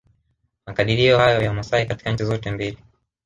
Makadirio hayo ya Wamasai katika nchi zote mbili